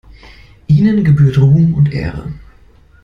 Ihnen gebührt Ruhm und Ehre.